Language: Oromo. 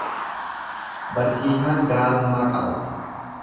Barsiisaan gaarummaa qaba.